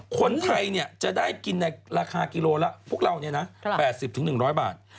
คนไทยจะได้กินในราคากิโลละพวกเรา๘๐๑๐๐บาท